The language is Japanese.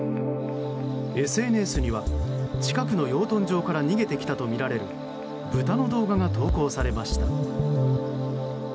ＳＮＳには近くの養豚場から逃げてきたとみられる豚の動画が投稿されました。